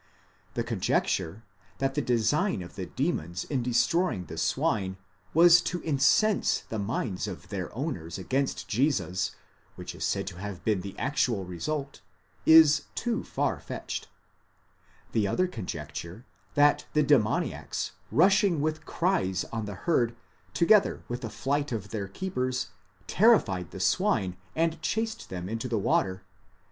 The conjecture, that the design of the demons in destroying the swine, was to incense the minds of their owners against Jesus, which is said to have been the actual result,®> is too far fetched ; the other conjecture that the demoniacs, rushing with cries on the herd, together with the flight of their keepers, terrified the swine and chased them into the water